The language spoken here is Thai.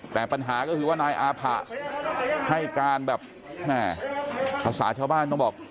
แต่ปัญหาก็คือว่านายอาผะให้การแบบแม่ภาษาชาวบ้านต้องบอก